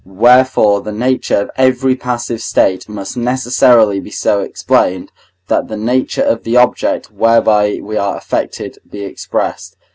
Wherefore the nature of every passive state must necessarily be so explained, that the nature of the object whereby we are affected be expressed.